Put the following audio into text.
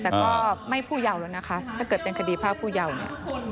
แต่ก็ไม่ผู้เยาแล้วนะคะถ้าเกิดเป็นคดีภาคผู้เยา